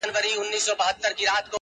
کې پایله اخیستل شوې